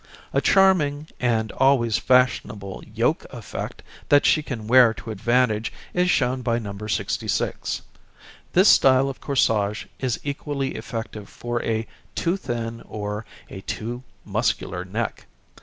A charming and always fashionable yoke effect that she can wear to advantage is shown by No. 66. This style of corsage is equally effective for a too thin or a too muscular neck.